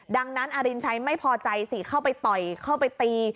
ดังนั้นอรินชัยไม่พอใจสิเข้าไปต่อยเข้าไปตี